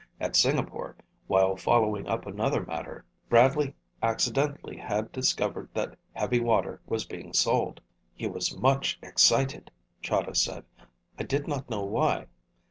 At Singapore, while following up another matter, Bradley accidentally had discovered that heavy water was being sold. "He was much excited," Chahda said. "I did not know why.